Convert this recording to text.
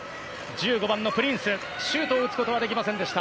１５番のプリンス、シュートを打つことはできませんでした。